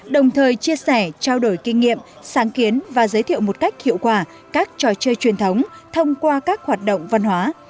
đồng thời chia sẻ trao đổi kinh nghiệm sáng kiến và giới thiệu một cách hiệu quả các trò chơi truyền thống thông qua các hoạt động văn hóa